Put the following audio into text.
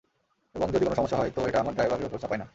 এবং যদি কোনো সমস্যা হয়, তো এটা আমার ড্রাইভারের উপর চাপাই না।